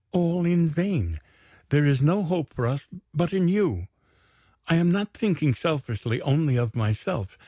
All in vain! There is no hope for us but in you. I am not thinking selfishly only of myself.